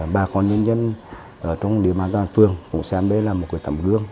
ba con nhân dân trong địa mạng toàn phương cũng xem đây là một cái tầm hương